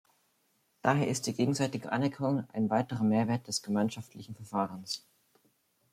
Daher ist die gegenseitige Anerkennung ein weiterer Mehrwert des gemeinschaftlichen Verfahrens.